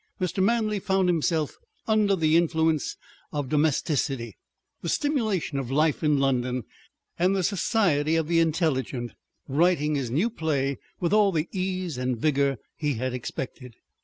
Mr. Manley found himself, under the influence of domesticity, the stimulation of life in London, and the society of the intelligent, writing his new play with all the ease and vigour he had expected.